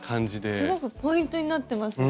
すごくポイントになってますね。